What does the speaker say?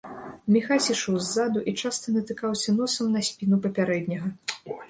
Міхась ішоў ззаду і часта натыкаўся носам на спіну папярэдняга.